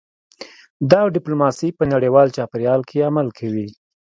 دا ډیپلوماسي په نړیوال چاپیریال کې عمل کوي